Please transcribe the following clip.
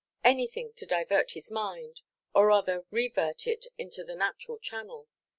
Anything to divert his mind, or rather revert it into the natural channel.